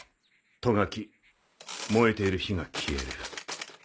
ト書き燃えている火が消える。